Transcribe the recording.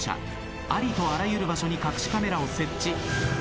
ありとあらゆる場所に隠しカメラを設置。